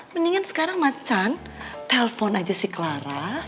mendingan sekarang ma can telpon aja si clara